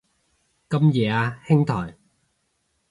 咁夜啊兄台